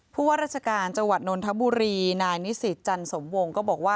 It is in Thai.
ผู้ว่าราชการจนทฮาร์บุรีนายนิสิตจันทร์สมวงก็บอกว่า